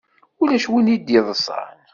Ulac win i d-yeḍṣan.